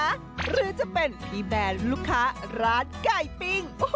หรือจะเป็นพี่แบนลูกค้าร้านไก่ปิ้ง